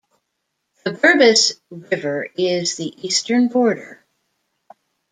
The Berbice River is the eastern border.